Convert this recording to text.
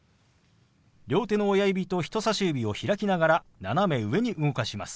両手の親指と人さし指を開きながら斜め上に動かします。